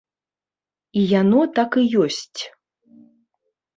І яно так і ёсць.